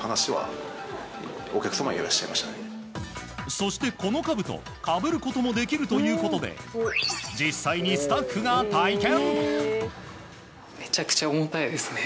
そして、このかぶとかぶることもできるということで実際にスタッフが体験。